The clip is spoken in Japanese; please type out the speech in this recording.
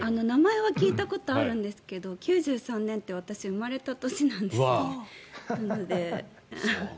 名前は聞いたことあるんですが９３年って私生まれた年なんですなので。